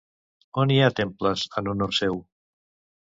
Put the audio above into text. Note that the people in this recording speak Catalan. On hi ha temples en honor seu?